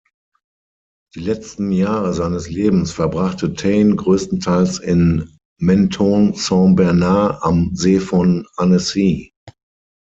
Die letzten Jahre seines Lebens verbrachte Taine größtenteils in Menthon-Saint-Bernard am See von Annecy.